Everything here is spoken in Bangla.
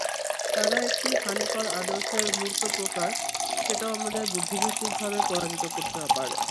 তারা একটি হানিকর আদর্শের মূর্ত প্রকাশ, সেটাও আমাদের বুদ্ধিবৃত্তিকভাবে পরাজিত করতে হবে।